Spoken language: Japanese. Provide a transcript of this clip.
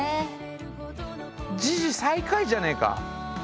時事最下位じゃねえか。